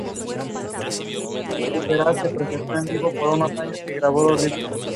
Rush recibió críticas negativas por debajo de la media.